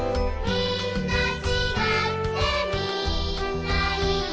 「みんなちがってみんないい」